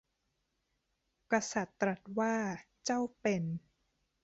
กษัตริย์ตรัสว่า เจ้าเป็น